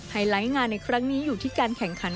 ไลท์งานในครั้งนี้อยู่ที่การแข่งขัน